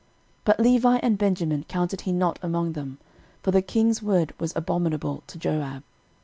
13:021:006 But Levi and Benjamin counted he not among them: for the king's word was abominable to Joab.